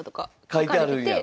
書いてあるんや。